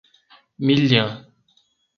Milhã